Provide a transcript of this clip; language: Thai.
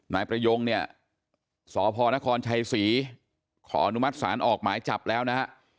นายประยงเนี่ยสพนครชัยศรีขออนุมัติศาลออกหมายจับแล้วนะฮะ